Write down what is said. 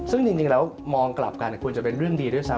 ซึ่งจริงแล้วมองกลับกันควรจะเป็นเรื่องดีด้วยซ้